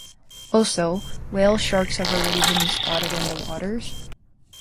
Also whale sharks have already been spotted in the waters.